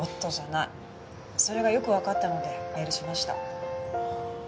それがよくわかったのでメールしました。